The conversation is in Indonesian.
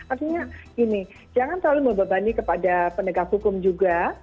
artinya gini jangan terlalu membebani kepada penegak hukum juga